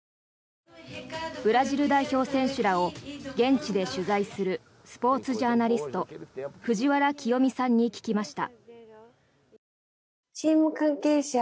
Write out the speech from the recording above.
ブラジル代表選手らを現地で取材するスポーツジャーナリスト藤原清美さんに聞きました。